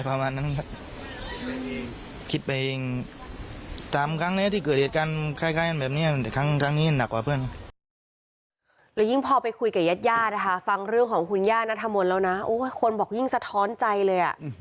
พอไปคุยกับแยศฟังเรื่องของคุณย่านาถมณะคนบอกยิ่งสะท้อนใจเลย